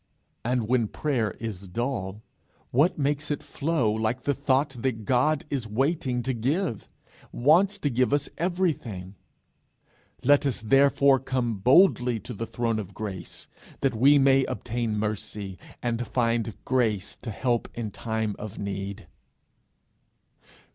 And when prayer is dull, what makes it flow like the thought that God is waiting to give, wants to give us everything! 'Let us therefore come boldly to the throne of grace, that we may obtain mercy, and find grace to help in time of need.'